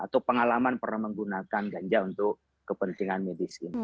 atau pengalaman pernah menggunakan ganja untuk kepentingan medis ini